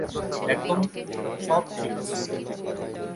একদম, সব ঠিক আছে।